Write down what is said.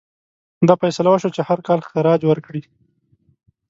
دا فیصله وشوه چې هر کال خراج ورکړي.